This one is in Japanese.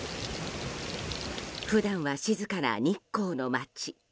普段は静かな日光の街。